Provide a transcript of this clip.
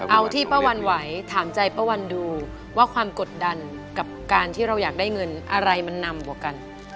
เอาที่ป้าวันไหวถามใจป้าวันดูว่าความกดดันกับการที่เราอยากได้เงินอะไรมันนำกว่ากัน